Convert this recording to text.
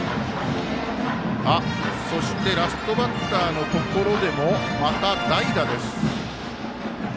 そして、ラストバッターのところまた代打です。